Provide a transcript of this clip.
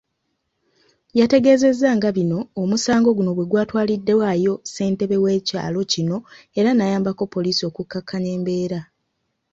Yategeezezza nga bino omusango guno bwegwatwaliddwayo ssentebe w'ekyalo kino era nayambako poliisi okukakkanya embeera.